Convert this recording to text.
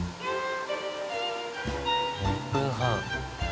１分半。